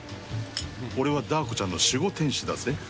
俺はダー子ちゃんの守護天使だぜ。